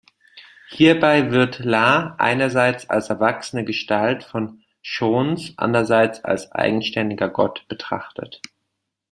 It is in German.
Hierbei wird Iah einerseits als erwachsene Gestalt von Chons, andererseits als eigenständiger Gott betrachtet.